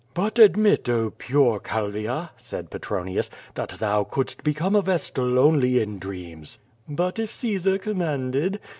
"But admit, Oh pure Calvia," said Petronius, "that thou couldst become a vestal only in dreams." "But if Caesar commanded?"